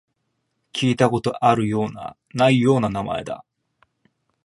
聞いたことあるような、ないような名前だ